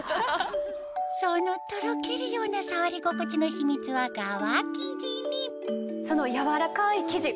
そのとろけるような触り心地の秘密は側生地にそのやわらかい生地。